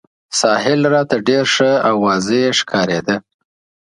ساحل راته ډېر ښه او واضح ښکارېده.